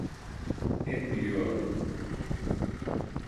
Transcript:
Hep biliyordum.